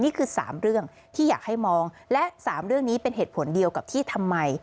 นี่คือ๓เรื่องที่อยากให้มองและ๓เรื่องนี้เป็นเหตุผลเดียวกับที่ทำไม